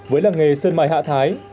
với làng nghề sơn mài hạ thái